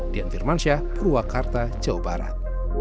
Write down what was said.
dian firmansyah purwakarta jawa barat